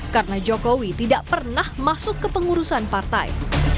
karena jokowi tidak pernah masuk ke pengurusan partai